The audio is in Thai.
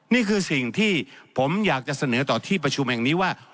นี่คือสิ่งที่ผมอยากจะเสนอต่อที่ประชุมแห่งนี้ว่า